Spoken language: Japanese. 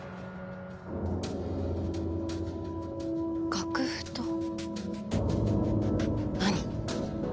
楽譜と何？